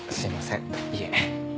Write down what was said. いえ。